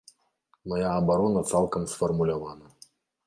Мая абарона цалкам сфармулявана.